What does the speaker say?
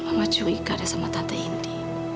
mama curiga sama tante indi